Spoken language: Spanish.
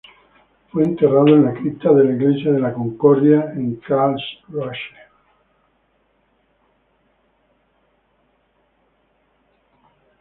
Fue enterrado en la cripta de la iglesia de la Concordia en Karlsruhe.